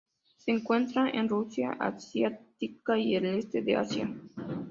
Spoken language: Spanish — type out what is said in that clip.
Se encuentra en Rusia asiática y el este de Asia.